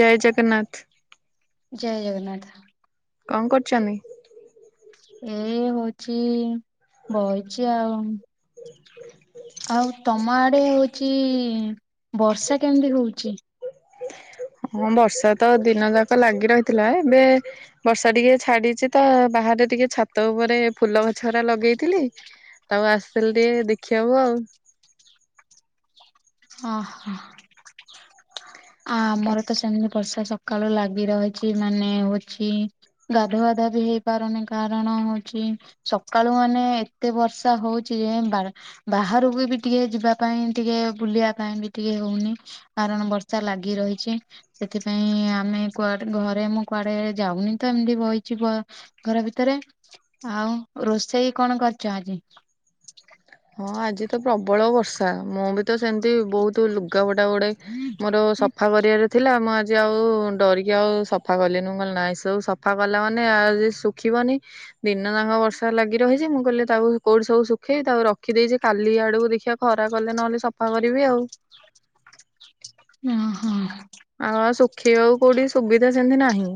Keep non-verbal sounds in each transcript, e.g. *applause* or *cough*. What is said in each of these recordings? ଜୟ ଜଗନ୍ନାଥ ଜୟ ଜଗନ୍ନାଥ କଣ କରୁଛନ୍ତି ଏଇ ହଉଛି ବହିଛି ଆଉ ଆଉ ତମ ଆଡେ ହଉଛି ବର୍ଷା କେମିତି ହଉଛି ହଁ ବର୍ଷା ତ ଦିନ ଯାକ ଲାଗି ରହିଥିଲା ଏବେ ବର୍ଷା ଟିକେ ଛାଡିଛି ତ ବାହାରେ ଟିକେ ଛାତ ଉପରେ ଫୁଲ ଗଛରାା ଲଗେଇଥିଲି ତାକୁ ଆସିଥିଲି ଟିକେ ଦେଖି ହବ ଆଉ ହଁ ହଁ ଆ ଆମର ତ ସେମତି ବର୍ଷା ସକାଳୁ ଲାଗି ରହିଛି ମାନେ ହଉଛି ଗାଧୁଆ ଗାଧି ହେଇ ପାରୁନି କାରଣ ହଉଛି ସକାଳୁ ମାନେ ଏତେ ବର୍ଷା ହଉଚ ଯେ ବାହାରକୁ ବି ଟିକେ ଯିବା ପାଇଁ ଟିକେ ବୁଲିବା ପାଇଁ ବି ଟିକେ ହଉନି କାରଣ ବର୍ ଲାଗି ରହିଛି ସେଥିପାଇଁ ଆମେ କୁଆଡେ ଘରେ ମୁଁ କୁଆଡେ ଯାଉନି ତ ଏମିତି ବହିଛି ଘର ଭିତରେ ଆଉ ରୋଷେଇ କଣ କରିଛ ଆଜି ହଁ ଆଜି ତ ପ୍ରବଳ ବର୍ଷା ମୁଁ ବି ତ ସେମତି ବହୁତୁ ଲୁଗାପଟା ଗୋଡେ ମୋର ସଫା କରିବାରେ ଥିଲା ମୁଁ ଆଜି ଆଉ ଡରିକି ଆଉ ସଫା କଲିନି ମୁଁ କହିଲି ନାଇଁ ସବୁ ସଫା କଲା ମାନେ ଆ ଯେ ରଖିବନି ଦିନ ଯାଙ୍କ ବର୍ଷା ଲାଗି ରହିଛି ମୁଁ କହିଲି ତାକୁ କୋଉଠି ସବୁ ଶୁଖେଇ ତାକୁ ରଖିଦେଇଚି ଦେଇଛି କାଲି ଆଡ଼କୁ ଦେଖିବା ଖରା କଲେ ନହେଲେ ସଫା କରିବି ଆଉ ହଁ ହଁ ଆଉ ଶୁଖେଇବାକୁ କୋଉଠି ସୁବିଧା ସେମିତି ନାହିଁ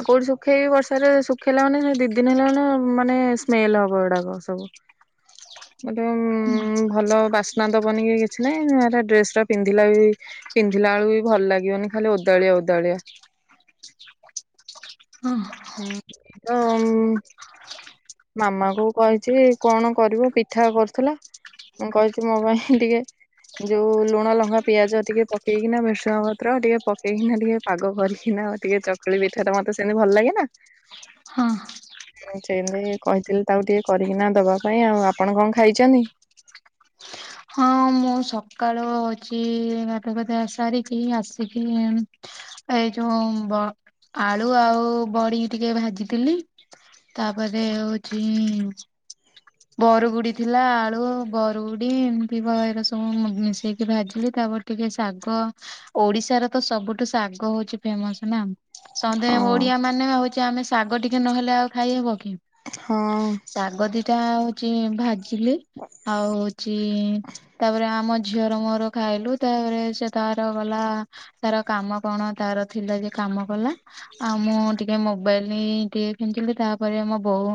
ଆଉ କୋଉଠି ଶୁଖେଇବି ବର୍ଷାରେ ଶୁଖେଇଲା ମାନେ ଦି ଦିନ ହେଲା ମାନେ ମାନେ ସ୍ମେଲ ହବ ଗୁଡାକ ସବୁ *inaudible* ଗୋଟେ ଉ ଭଲ ବାସ ନା ଦବନି କି କିଛି ନାହିଁ ଏରା ଡ୍ରେସ ଟା ପିନ୍ଧିଲା ବି ପିନ୍ଧିଲା ବେଳକୁ ବି ଭଲ ଲାଗ ଗିବନି ଖାଲି ଓଦାଳିଆ ଓଦାଳିଆ। ଅହଂ ହଁ ଏଇତ ଏମ୍ ମାମା କୁ କହିଛି କଣ କରିବ ପିଠା କରୁଥିଲା। ମୁଁ କହିଛି ମୋ ପାଇଁ ଟିକେ ଯୋଉ ଲୁଣ ଲଙ୍କା ପିଆଜ ଟିକେ ପକେଇକିନା ଭେରଶୁଙ୍ଗା ପତ୍ର ଟିକେ ପକେଇକିନା ଟିକେ ପାଗ କରିକିନା ଟିକେ ଚକୁଳି ପିଠା ଟା ମତେ ସେମିତି ଭଲ ଲାଗେ ନା ହ *inaudible* ସେମତି କହିଥିଲି ତାକୁ ଟିକେ କରିକିନା ଦବା ପାଇଁ ଆଉ। ଆପଣ କଣ ଖାଇଛନ୍ତି? ହଁ ମୁଁ ସକାଳୁ ହୋଉଛି ଗାଧୁଆ ଫାଦୁଆ ସାରିକି ଆସିକି ଏଇ ଯୋଉ ବ ଆଳୁ ଆଉ ବଡି ଟିକେ ଭାଜିଥିଲି ତାପରେ ହୋଉଛି ବରୁଗୁଡି ଥିଲା ଆଳୁ ବରୁଗୁଡି ଏମିତି ବ ଏରା ସବୁ ମିଶେଇକି ଭାଜିଲି ତାପରେ ଟିକେ ଶାଗ ଓଡିଶାର ତ ସବୁଠୁ ଶାଗ ହୋଉଛି ଫେମସ ନା। ସନ୍ଧେ ହଁ ଓଡିଆ ମାନେ ହୋଉଛି ଆମେ ଶାଗ ଟିକେ ନହେଲେ ଆଉ ଖାଇହବ କି। ହଁ। ଶାଗ ଦିଟା ହୋଉଛି ଭାଜିଲି। ଆଉ ହୋଉଛି ତାପରେ ଆମ ଝିଅର ମୋର ଖାଇଲୁ ତାପରେ ସେ ତାର ଗଲା ତାର କାମ କଣ ତାର ଥିଲା ଯେ କାମ କଲା। ଆଉ ମୁଁ ଟିକେ ମୋବ ବାଇଲ ଟିକେ ଖେଞ୍ଚିଲି ତା ପରେ ମୋ ବୋଉ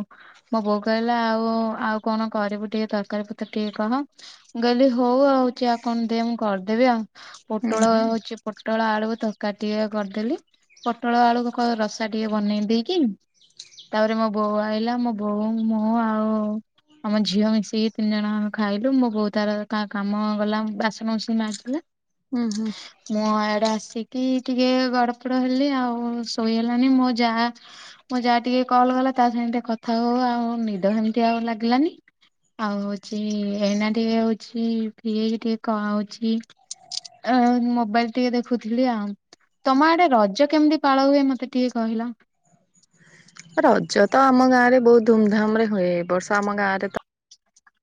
ମୋ ବୋଉ କହିଲା ଆଉ ଉ ଆଉ କଣ କରିବୁ ଟିକେ ତରକାରୀ ପତ୍ର ଟିକେ କହ। ମୁଁ କହିଲି ହୋଉ ଆଉ ଚା କଣ ଦେ ମୁଁ କରିଦେବି ଆଉ। ହୁଁ ପୋଟଳ ହୋଉଛି ପୋଟଳ ଆଳୁ ତରକାରି ଟିକେ କରିଦେଲି ପୋଟଳ ଆଳୁ କ ରସା ଟିକେ ବନେଇ ଦେଇକି ତାପରେ ମୋ ବୋଉ ଆଇଲା ମୋ ବୋଉ ମୁଁ ଆଉ ଆମ ଝିଅ ମିଶିକି ତିନି ଜଣ ଆମେ ଖାଇଲୁ ମୋ ବୋଉ ତାର କାମ ଗଲା ବାସନବୁସିନି ମାଜିଲା ହୁଁ ହୁଁ। ମୁଁ ଆଡେ ଆସିକି ଟିକେ ଗଡପଡ ହେଲି ଆଉ ଶୋଇ ହେଲାନି ମୋ ଜା ମୋ ଯା ଟିକେ କଲ କଲା। ତା ସାଙ୍ଗେ ଟିକେ କଥା ହୋଉ ଆଉ ନିଦ ହେମିତି ଆଉ ଲାଗିଲାନି ଆଉ ହୋଉଛି ଏନା ଟିକେ ହୋଉଛି ଫ୍ରି ହେଇକି ଟିକେ କ ହୋଉଛି। ଆ ଆ ମୋବାଇଲ ଟିକେ ଦେଖୁଥିଲି ଆଉ। ତମ ଆଡେ ରଜ କେମିତି ପାଳ ହୁଏ ମତେ ଟିକେ କହିଲ? ରଜ ତ ଆମ ଗାଁ ରେ ବହୁତ ଧୁମଧାମ ରେ ହୁଏ। ଏ ବର୍ଷ ଆମ ଗାଁରେ ତ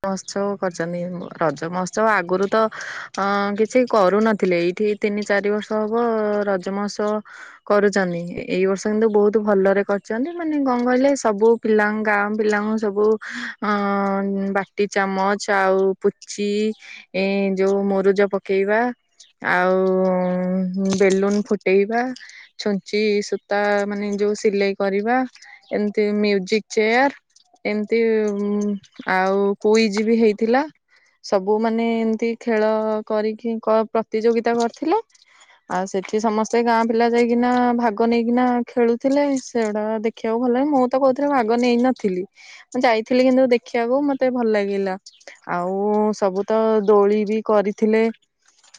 ମହୋତ୍ସବ କରିଛନ୍ତି। ରଜ ମହୋତ୍ସବ ଆଗରୁ ତ ଅ କିଛି କରୁନଥିଲେ ଏଇଠି ତିନି ଚାରି ବର୍ଷ ହବ ରଜ ମହୋତ୍ସବ କରୁଛନ୍ତି। ଏଇ ବର୍ଷ କିନ୍ତୁ ବହୁତ ଭଲରେ କରିଛନ୍ତି ମାନେ କଣ କହିଲେ ସବୁ ପିଲାଙ୍କ ଗାଁ ପିଲାଙ୍କୁ ସବୁ ଅ ବା ଟି ଚାମଚ ଆଉ ପୁଚି ଏ ଯୋଉ ମୁରୁଜ ପକେଇବା ଆଉ ବେଲୁନ ଫୁଟେଇବା ଛୁଞ୍ଚି ସୂତା ମାନେ ଯୋଉ ସିଲେଇ କରିବା ଏମତି ମ୍ୟୁଜିକ ଚେୟାର ଏମିତି ଆଉ କୁଇଜ ବି ହେଇଥିଲା। ସବୁ ମାନେ ଏମତି ଖେଳ କରିକି କ ପ୍ରତିଯୋଗିତା କରିଥିଲେ ଆଉ ସେଠି ସମସ୍ତେ ଗାଁ ପିଲା ଯାଇକିନା ଭାଗ ନେଇକିନା ଖେଳୁଥିଲେ ସେଗୁଡା ଦେଖ ଖିବାକୁ ଭଲ ଲାଗେ। ମୁଁ ତ କୋଉଥିରେ ଭାଗ ନେଇ ନଥିଲି ମୁଁ ଯାଇଥିଲି କିନ୍ତୁ ଦେଖିବାକୁ ମତେ ମତେ ଭଲ ଲାଗିଲା। ଆଉ ସବୁ ତ ଦୋଳି ବି କରିଥିଲେ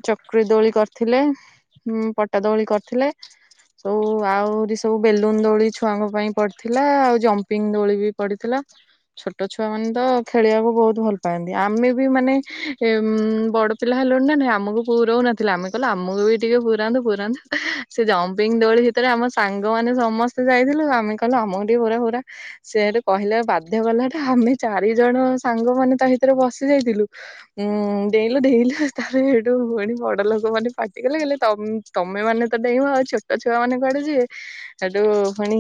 ଚକ୍ରି ଦୋଳି କରିଥିଲେଁ ପଟା ଦୋଳି କରିଥିଲେ। ସବୁ ଆହୁରି ସବୁ ବେଲୁନ ଦୋଳି ଛୁଆଙ୍କ ପାଇଁ ପଡିଥିଲା ଆଉ ଜମ୍ପିଙ୍ଗ ଦୋଳି ବି ପଡିଥିଲା ଛୋଟ ଛୁଆ ମାନେ ତ ଖେଳିବାକୁ ବହୁତ ଭଲ ପାଆନ୍ତି ଆମେ ବି ମାନେ ବଡ ପିଲା ହେଲଣି ନା ନାଇଁ ଆମକୁ ପୁଅ ରଉନାନ୍ତି ଥିଲା ଆମେ କହିଲୁ ଆମକୁ ବି ଟିକେ ପୁରାନ୍ତୁ ପୁରନ୍ତୁ ସେ ଜମ୍ପିଙ୍ଗ ଦୋଳି ଭିତରେ ଆମ ସାଙ୍ଗମାନୋନ ସମସ୍ତେ ଯାଇଥିଲୁ ଆମେ କହିଲୁ ଆମ ଗଠି ହୋରା ହୋରା ସେଠୁ କହିଲେ ବାଧ୍ୟ କଲାଟା ଆମେ ଚାରି ଜଣ ସାଙ୍ଗମାନୋନେ ତା ଭିତରେ ବସି ଯାଇଥିଲୁ ଉଁ ଡେଇଲୁ ଡେଇଁୁ ତାର ସେଠୁ ଭଉଣୀ ବଡ ଲୋକ ମାନେ ଫଟିଗଲେ ହେଲେ ତମ ତମେ ମାନେ ତ ଡେଇଁ ଆଉ ଛୋଟ ଛୁଆ ମାନେ କୁଆଡେ ଯିଏ ଏଠୁ ଭଣି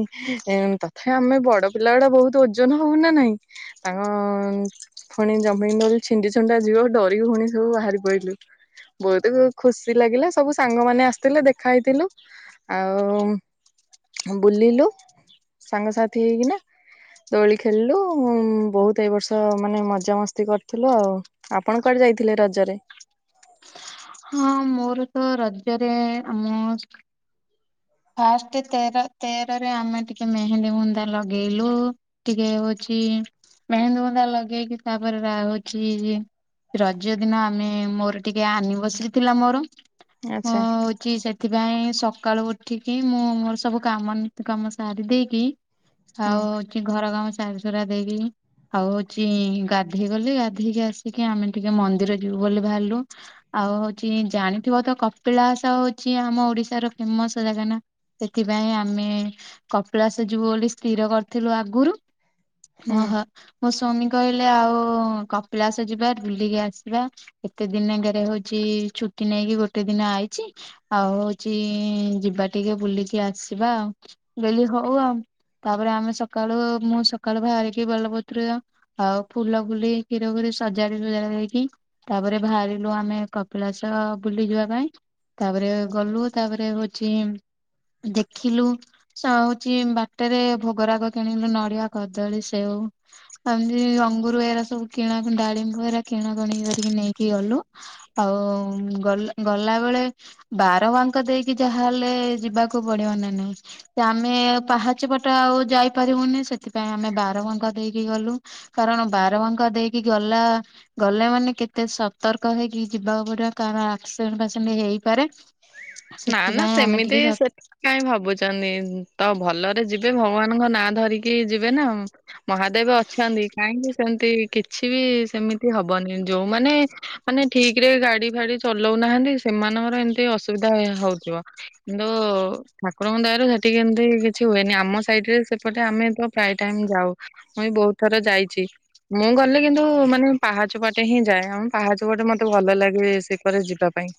ତଥାପି ଆମେ ବଡ ପିଲା ଗୁଡା ବହୁତ ଓଜନ ହଉନା ନହିଁ ହଁ ପୁଣି ଜମି ନଲି ଛିଣ୍ଡି ଛଣ୍ଡା ଯିବ ଡରିକି ପୁଣି ସବୁ ବାହାରି ପଡିଲୁ ବହୁତ ଖୁସି ଲାଗିଲା ସବୁ ସାଙ୍ଗମାନୋନ ଆସିଥିଲେ ଦେଖା ହେଇଥିଲୁ ଆଉ ବୁଲିଲୁ ସାଙ୍ଗସାଥି ହେଇକିନା ଦୋଳି ଖେଳିଲୁ ବହୁତ ଏଇ ବର୍ଷ ମାନେ ମଜାାମସ୍ତି କରିଥିଲୁ ଆଉ ଆପଣ କୁଆଡେ ଯାଇଥିଲେ ରଜରେ ହଁ ମୋର ତ ରଜ୍ୟରେ ଆମ ଫାଷ୍ଟ ତେର ତେରରେ ଆମେ ଟିକେ ମେହେଣ୍ନ୍ଦଡି ମୁନ୍ଦା ଲଗେଇଲୁ ଟିକେ ହଉଛି ମେହେନ୍ଦୀ ବୁନ୍ଦା ଲଗେଇକି ତାପରେ ହଉଛି ରଜ ଦିନ ଆମେ ମୋର ଟିକେ ଆନି ବସିଥିଲା ମୋର ମୁଁ ଆଚ୍ଛା ହଉଛି ସେ ସେଥିପାଇଁ ସକାଳୁ ଉଠିକି ମୁଁ ମୋର ସବୁ କାମ ନିତ କାମ ସାରି ଦେଇକି ହୁଁ ଆଉ କି ଘର କାମ ସାରସୁରା ଦେଇବି ଆଉ ହଉଛି ଗାଧେଇ ଗଲେ ଗାଧେଇକି ଆସିକି ଆମେ ଟିକେ ମନ୍ଦିର ଯିବୁ ବୋଲି ଭହାରିଲୁ ଆଉ ହଉଛି ଜାଣିଥିବ ତ କପିଳାସ ହଉଛି ଆମ ଓଡିଶାର ଫେମସ ଜାଗା ନା ସେଥିପାଇଁ ଆମେ କପିଳାସ ଯୋଉ ବୋଲିଳି ସ୍ଥିର କରିଥିଲୁ ଆଗରୁ ହୁଁ। ମହ ମୋ ସଵାମୀ କହିଲେ ଆଉ କପିଳାସ ଯିବା ବୁଲିକି ଆସିବା କେତେ ଦିନ ଆଗରେ ହଉଛି ଛୁଟି ନେଇକି ଗୋଟେ ଦିନ ଆଇଛି ଆଉ ହଉଛି ଯିବା ଟିକେ ବୁଲିକି ଆସିବା ଆଉ ବ ହଉ ଆଉ ତାପରେ ଆମେ ସକାଳୁ ମୁଁ ସକାଳୁ ବାହାରିକି ବେଲପତ୍ର ଆଉ ଫୁଲ ଫୁଲି କ୍ଷୀର କ୍ଷରେ ସଜାଡି ସଜାଡି ହେକି ତାପରେ ବାହାରିଲୁ ଆମେ କପିଳା ବୁଲି ଯିବା ପାଇଁ ତାପରେ ଗଲୁ ତାପରେ ହଉଛି ଦେଖିଲୁ ହଉଛି ବାଟରେ ଭୋଗରାଗ କିଣିଲୁ ନଡିଆ କଦଳୀ ସେଉ ଆମତି ଅଙ୍ଗୁର ଏରା ସବୁ କିଣା ଡାଳିମ୍ବ ଏରା କିଣାକଣି କରିକି ନେଇକି ଗଲୁ ଆଉ ଗଲା ଗଲା ବେଳେ ବାର ମାଙ୍କ ଦେଇକି ଯାହା ହେଲେ ଯିବାକୁ ପଡିବ ନା ନାଇଁ ସେ ଆମେ ପାହାଚପଟ ଆଉ ଯାଇପାରିବୁନି ସେଥିପାଇଁ ଆମେ ବାର ଘଙ୍କା ଦେଇକି ଗଲୁ କାରଣ ବାରବାଙ୍କା ଦେଇକି ଗଲା ଗଲେ ମାନେ କେତେ ସତର୍କ ହେଇକି ଯିବାକୁ ପଡିବ କାର ଆଡଟ ଫ ହେଇପାରେ ନା ନା ସେଥିପାଇଁ ଆମେ ସେମିତି ଟିକେ ସେ କାଇହିଁ ଭାବୁଛନ୍ତି ତ ଭଲରେ ଯିବେ ଭଗବାନଙ୍କ ନାଁ ଧରିକି ଯିବେ ନା ମହାଦେବ ଅଛନ୍ତି କାହିଁକି ସେମିତି କିଛି ବି ସେମିତି ହବନି ଯୋଉମାନେ ମାନେ ଠିକ ରେ ଗାଡି ଫାଡି ଚଲାଉନାହାନ୍ତି ସେମାନଙ୍କର ଏମିତି ଅସୁବିଧା ହଉଥିବ କିନ୍ତୁ ଠାକୁରଙ୍କ ଦୟାରୁ ସେଠିକି ଏମିତି କିଛି ହୁଏନି ଆମ ସାଇଡରେ ସେପଟେ ଆମେ ତ ପ୍ରାୟ ଟାଇମ ଯାଉ ମୁଇଁ ବି ବହୁତ ଥର ଯାଇଛି ମୁଁ ଗଲେ କିନ୍ତୁ ମାନେ ପାହାଚପଟେ ହିଁ ଯାଏ ଆମ ପାହାଚପଟେ ମତେ ଭଲ ଲାଗେ ସେପ ଯିବା ପାଇଁ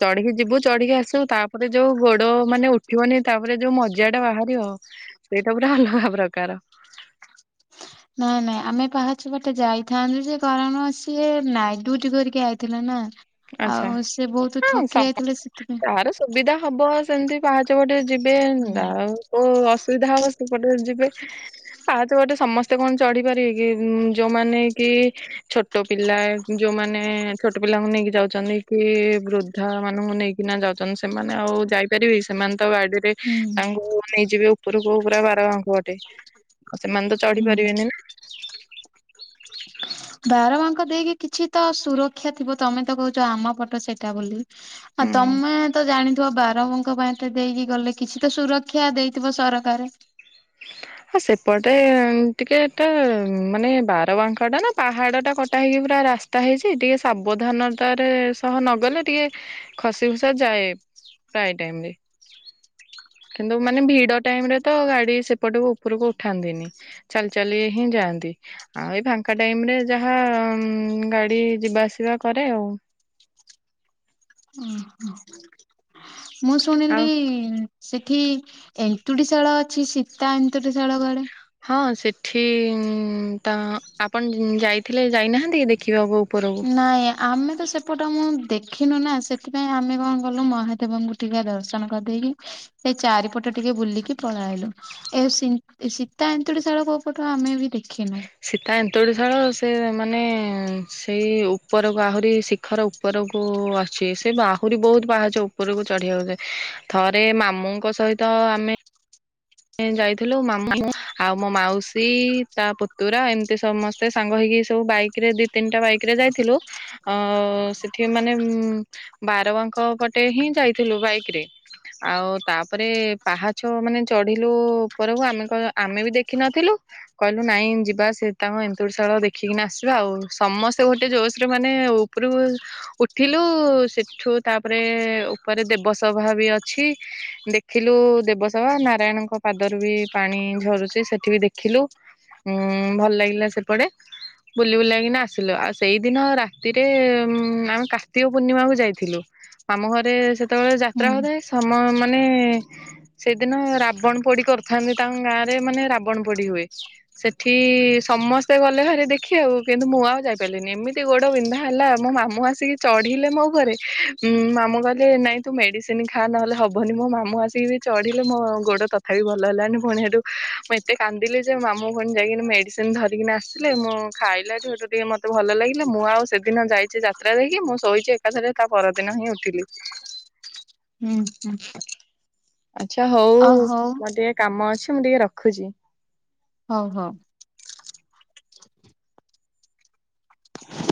ଚଢିକି ଯିବୁ ଚଢିକି ଆସୁ ତାପରେ ଯୋଉ ଗୋଡ ମାନେ ଉଠିବନି ତାପରେ ଯୋଉ ମ୍ା ଟା ବାହାରିବ ସେଇଟା ପୁରା ଅଲଗା ପ୍ରକାର ନାଇଁ ନାଇଁ ଆମେ ପାହାଚ ପଟେ ଯାଇଥାନ୍ତୁ ଯେ କାରଣ ସିଏ ନାଇଁ ଡୁଟି କରିକି ଆଇଥିଲା ନା ଆଉ ସେ ବହୁତ ଥକି ଯାଇଥିଲେ ସେଥିପାଇଁ। ତାର ସୁବିଧା ହବ ସେମିତି ପାହାଚପଟେ ଯିବେ ହୁଁ ଆଉ ଓ ଅସୁବିଧା ହବ ସେପଟ ଯିବେ। ପା ତ ଗଟେ ସମସ୍ତେ କଣ ଚଢି ପାରିବେ କି ଯୋଉମାନୋନ କି ଛୋ ଛୋଟ ପିଲା ଯୋଉମାନେ ଛୋଟ ପିଲାଙ୍କୁ ନେଇକି ଯାଉଛନ୍ତି କି ବୃଦ୍ଧା ମାନଙ୍କୁ ନେଇକିନା ଯାଉଛନ୍ତି ସେମାନେ ଆଉ ଯାଇ। ପାରିବି ସେମାନେ ତ ବାଡିରେ ତାଙ୍କୁ ନେଇଯିବେ ଉପରକୁ ପୁରା ବାରଙ୍କୁ ଅଟେ। ଆଉ ସେମାନେ ତ ଚଢି ହୁଁ ପାରିବେନି ନା। ବାର ମାଙ୍କ ଦେଇକି କିଛି ତ ସୁରକ୍ଷା ଥିବ ତମେ ତ କହୁଛ ଆମ ପଟ ସେଇଟା ବୋଲି ଆ ହୁଁ। ତମେ ତ ଜାଣିଥିବ ବାରବଙ୍କ ପାଇଁ। ମତେ ଦେଇକି ଗଲେ କିଛି ତ ସୁରକ୍ଷା ଦେଇଥିବ ସରକାର। ହଁ ସେପଟେ ଟିକେ ଏଟା ମାନେ ବାରବାଙ୍କ ଟା ନା ପାହାଡ ଟା କଟା ହେଇକି ପୁରା ରାସ୍ତା। ହେଇଛି ଟିକେ ସାବଧାନତାାରେ ସହ ନଗଲେ ଟିକେ ଖସି ଖୁସା ଯାଏ କିନ୍ତୁ ମାନେ ଭିଡ ଟାଇମ ରେ ତ ଗାଡି ସେପଟ। ଉପ ଉପରକୁ ଉଠାନ୍ତିନି ଚାଲି ଚାଲି ହିଁ ଯାଆନ୍ତି। ଆଉ ଏଇ ଫାଙ୍କା ଟାଇମ ରେ ଯାହା ଗାଡି ଯିବା ଆସିବା କରେ ଆଉ ମୁଁ ଶୁଣିଲି ଆଉ ସେଠି ଏନ୍ତୁଟି ଶାଳ ଅଛି ସୀତା ଏନ୍ତୁଟି ଶାଳ ଗୁଆଡେ। ହଁ ସେଠି ତ ଆପଣ ଯାଇଥିଲେ ଯାଇନାହାନ୍ତି କି ଦେଖିବାକୁ ଉପରକୁ। ନାଇଁ ଆମେ ତ ସେପଟ ମୁଁ ଦେଖିନୁ ନା ସେଥିପାଇଁ ଆମେ କଣ କଲୁ ମହାଦେବଙ୍କୁ ଟିକେ ଦର୍ଶନ କରିଦେଇକି ସେ ଚାରିପଟ ଟିକେ ବୁଲିକି ପଳେଇଲୁ। ଏ ସୀତା ଏନ୍ତୁଡି ଶାଳ କୋଉ ପଟୁ ଆମେ ବି ଦେଖିନ। ସୀତା ଏନ୍ତୋଳିଶାଳ ସେ ମାନେ ସେଇ ଉପରକୁ ଆହୁରି ଶିଖର। ଉପରକୁ ଅଛି ସେ ଆହୁରି ବହୁତ ବାହଛ ଉପରକୁ ଚଢିବାକୁଛେ ଥରେ ମାମୁଙ୍କ ସହିତ। ତ ଆମେ। ଯାଇଥିଲୁ ମାମୁ ଆଉ ମୋ ମାଉସୀ ତା ପୁତୁରା ଏମିତି ସମସ୍ତ। ମତେ ସାଙ୍ଗ ହେଇକି ସବୁ ବାଇକ ଦି ତିନିଟା ବାଇକ ରେ ଯାଇଥିଲୁ। ଅ ସେଠି ମାନେ ଉ ବାରବାଙ୍କ ପଟେ ହିଁ ଯାଇଥିଲୁ ବାଇକ ରେ ଆଉ ତାପରେ ପାହାଚ ମାନେ ଚଢିଲୁ ଉପକୁ ଆମେ ଆମେ ବି ଦେଖିିନଥିଲୁ କହିଲୁ ନାଇଁ ଯିବା ସେ ତାଙ୍କ ଏନ୍ତୁଶଳ ଦେଖିକିନି ଆସିବା ଆଉ ସମସ୍ତେ ଗୋଟେ ଜୋସ ରେ ମାନେ ଉପରୁ ଉଠିଲୁ ସେଠୁ ତାପରେ ଉପରେ ଦେବସଭା ବି ଅଛି ଦେଖିଲୁ ଦେବସବା ନା ନାରାୟଣଙ୍କ ପାଦରୁ ବି ପାଣି ଝରୁଛି ସେଠି ବି ଦେଖିଲୁ ହୁଁ ଭଲ ଲାଗିଲା ସେପଟେ ବୁଲି ବୁଲିବାକିନା ଆସିଲୁ ଆଉ ସେଇଦିନ ରାତିରେ ଆମେ କାର୍ତ୍ତିକ ପୂର୍ଣ୍ଣିମାକୁୁ ଯାଇଥିଲୁ। ଆମ ଘରେ ସେତେବେଳେ ଯାତ୍ରା ହୁଁ ହଥାଏ ସମ ମାନେ ସେଇଦିନ। ରାବଣ ପୋଡି ହୁଏ ସେଠି ସମସ୍ତେ ଗଲେ ଘରେ ଦେଖିବା ଆକୁ କିନ୍ତୁ ମୁଁ ଆଉ ଯାଇପାରିଲିନି ଏମିତି ଏତେ ଗୋଡ ବିନ୍ଧା ହେଲା ମୋ ମାମୁଁ ଆସିକି ଚଢିଲେ ମୋ ଉପରେ ଉଁ ମାମୁଁ କହିଲେ ନାଇଁ ତୁ ମେଡିସିନ ଖା ନହେଲେ ହବନି ମୋ ମାମୁଁ ଆସିକି ବି ଚଢିଲେ ମୋ ଗୋଡ ତଥାପି ଭଲ ହେଲାନି ପୁଣି ହେତୁ ମୁଁ ଏତେ କାନ୍ଦିଲି ଯେ ମାମୁ ପୁଣି ଯାଇକି ମେଡିସିନ ଧରିକି ଆସିଲେ ମୁଁ ଖାଇଲା ହେଟ ଟିକେ ମତେ ଭଲ ଲାଗିଲା ମୁଁ ଆଉ ସେଦିନ ଯାଇଛି ଯାତ୍ରା ଦେଇକି ମୁଁ ଶୋଇଛି ଏକଥରେ ତା ପରଦିନ ହିଁ ଉଠିଲି। ହୁଁ ହୁଁ। ଆଚ୍ଛା ହଉ ଅ ହଉ ମୋର ଟିକେ କାମ ଅଛି ମୁଁ ଟିକେ ରଖୁଛି। ହଉ ହଉ।